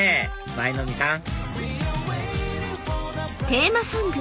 舞の海さん